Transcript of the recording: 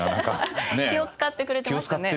気を使ってくれてましたね。